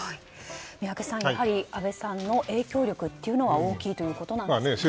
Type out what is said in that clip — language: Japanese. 宮家さん、安倍さんの影響力は大きいということなんですかね。